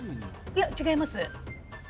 違います。